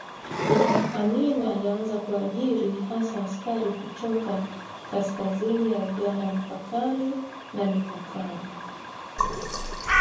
Amin alianza kuajiri hasa askari kutoka kaskazini ya Uganda mpakani na mipakani